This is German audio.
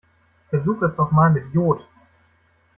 Versuch es doch mal mit Iod.